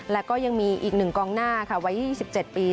แล้วก็ยังมีอีกหนึ่งกองหน้าค่ะไว้ยี่สิบเจ็ดปี